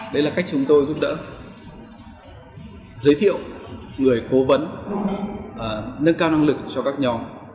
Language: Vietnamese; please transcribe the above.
đấy là cách chúng tôi giúp đỡ giới thiệu người cố vấn nâng cao năng lực cho các nhóm